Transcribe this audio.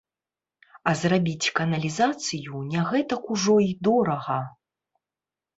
А зрабіць каналізацыю не гэтак ужо і дорага.